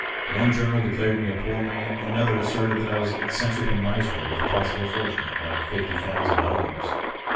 One journal declared me a poor man ; another asserted that I was eccentric and miserly, with a possible fortune of about fifty thousand dollars.